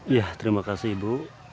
ya terima kasih ibu